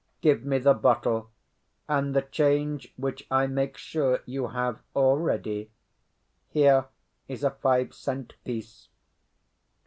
Give me the bottle, and the change which I make sure you have all ready. Here is a five cent piece."